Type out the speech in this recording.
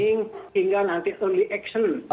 tidak cukup awal awal